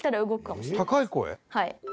はい。